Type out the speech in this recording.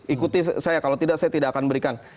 ikuti saya kalau tidak saya tidak akan berikan